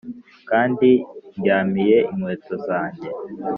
kandi ndyamiye inkweto zanjye